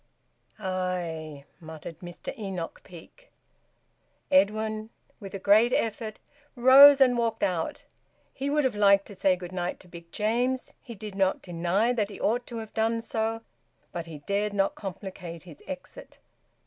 "Aye!" muttered Mr Enoch Peake. Edwin, with a great effort, rose and walked out. He would have liked to say good night to Big James; he did not deny that he ought to have done so; but he dared not complicate his exit.